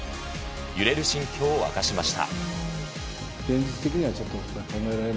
揺れる心境を明かしました。